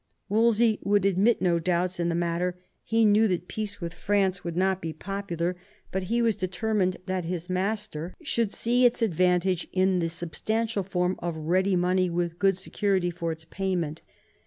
Wolsey would admit no doubts in the matter. He knew that peace with France would not be popular, but he was determined that his master 120 THOMAS WOLSEY chap. should see its advantage in the substantial form of ready money with good security for its payment.